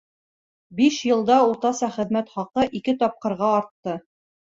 Биш йылда уртаса хеҙмәт хаҡы ике тапҡырға артты.